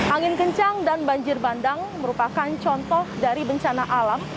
angin kencang dan banjir bandang merupakan contoh dari bencana alam